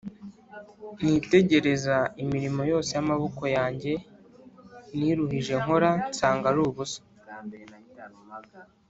Nitegereza imirimo yose yamaboko yanjye niruhije nkora nsanga arubusa